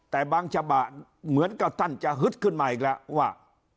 แต่บางฉบับเหมือนกับท่านจะฮึดขึ้นมาอีกแล้วว่า